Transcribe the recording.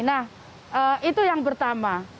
nah itu yang pertama